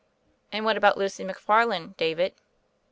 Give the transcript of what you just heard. "And what about Lucy McFarland, David?"